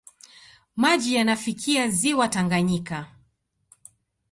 Maji yanafikia ziwa Tanganyika.